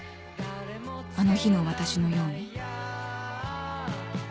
あの日の私のように